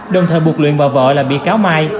đồng thời buộc luyện và vợ là bị cáo mai